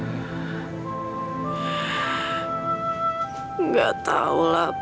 tidak tahulah pak